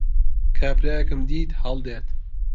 کابرایەکم دیت هەڵدێت